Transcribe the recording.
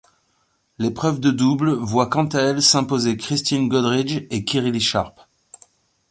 L'épreuve de double voit quant à elle s'imposer Kristin Godridge et Kirrily Sharpe.